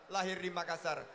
lahir di makassar